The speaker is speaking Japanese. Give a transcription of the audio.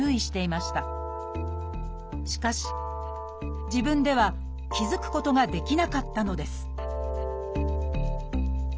しかし自分では気付くことができなかったのです